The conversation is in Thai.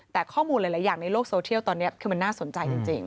แต่ข้อมูลหลายอย่างในโลกโซเทียลตอนนี้คือมันน่าสนใจจริง